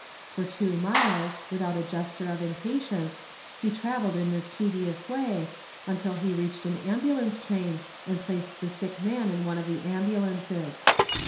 "For two miles, without a gesture of impatience, he traveled in this tedious way, until he reached an ambulance train and placed the sick man in one of the ambulances.